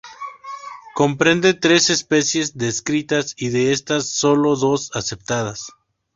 Comprende tres especies descritas y de estas, solo dos aceptadas.